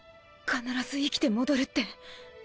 必ず生きて戻るって。